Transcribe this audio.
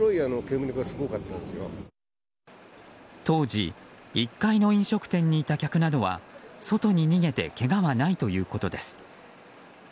当時１階の飲食店にいた客などは外に逃げてけがはないということです。